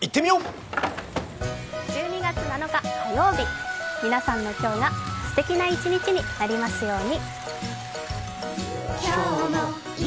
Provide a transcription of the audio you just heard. １２月７日火曜日、皆さんの今日がすてきな一日になりますように。